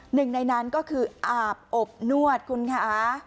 หนึ่งในนั้นก็คืออาบอบนวดคุณคะ